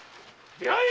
出会え！